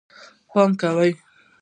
پام کوه